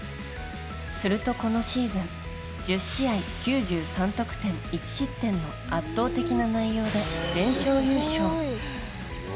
するとこのシーズン１０試合９３得点１失点の圧倒的な内容で全勝優勝。